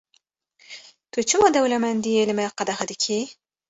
Tu çima dewlemendiyê li me qedexe dikî?